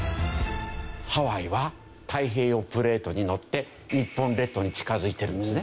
ハワイは太平洋プレートにのって日本列島に近付いてるんですね。